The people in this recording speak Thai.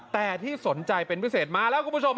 แต่ที่สนใจเป็นพิเศษมาแล้วคุณผู้ชม